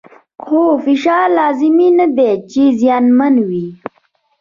خو فشار لازمي نه دی چې زیانمن وي.